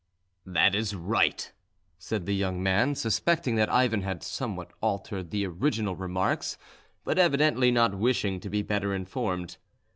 "That is right," said the young man, suspecting that Ivan had somewhat altered the original remarks, but evidently not wishing to be better informed.